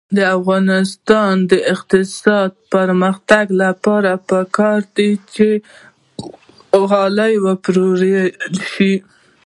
د افغانستان د اقتصادي پرمختګ لپاره پکار ده چې غالۍ وپلورل شي.